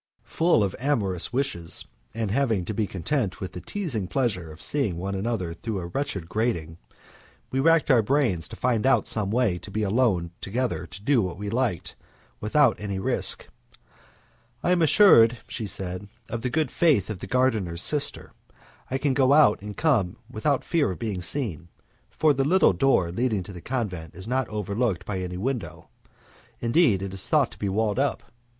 Full of amorous wishes and having to be content with the teasing pleasure of seeing one another through a wretched grating, we racked our brains to find out some way to be alone together to do what we liked, without any risk. "I am assured," she said, "of the good faith of the gardener's sister. I can go out and come in without fear of being seen, for the little door leading to the convent is not overlooked by any window indeed it is thought to be walled up.